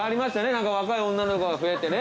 何か若い女の子が増えてね。